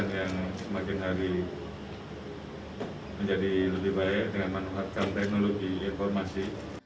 yang semakin hari menjadi lebih baik dengan manfaatkan teknologi informasi